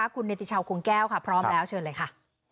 คุณเนติชาวคงแก้วค่ะพร้อมแล้วเชิญเลยค่ะ